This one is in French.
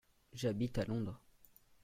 J'habite à Londres.